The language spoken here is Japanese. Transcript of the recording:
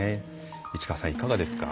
市川さん、いかがですか？